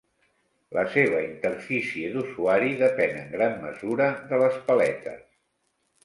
La seva interfície d'usuari depèn en gran mesura de les paletes.